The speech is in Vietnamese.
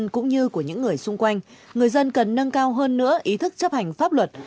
cũng như của những người xung quanh người dân cần nâng cao hơn nữa ý thức chấp hành pháp luật